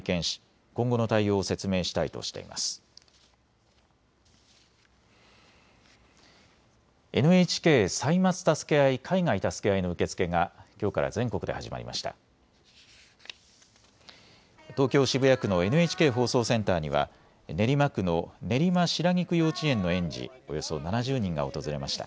東京渋谷区のＮＨＫ放送センターには練馬区の練馬白菊幼稚園の園児、およそ７０人が訪れました。